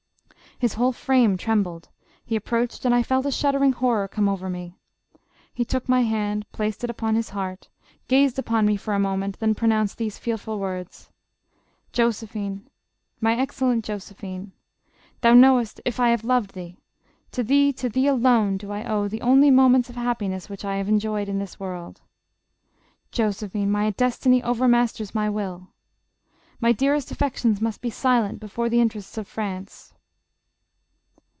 His 258 JOSEPHINE. whole frame trembled; he approached and I felt a shuddering horror come over me. He took my hand, placed it upon his heart, gazed upon me for a moment, then pronounced these fearful words :' Josephine ! my excellent Josephine ! thou knowest if I have loved thee ! To thee, to thee alone, do I owe the only mo ments of happiness which I have enjoyed in this world. Josephine, my destiny overmasters my will. My dear est affections must be silent before the interests of France.'